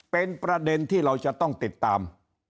เป็นประเด็นที่เราจะต้องติดตาม